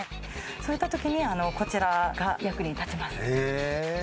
そういった時にこちらが役に立ちます。